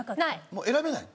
もう選べない？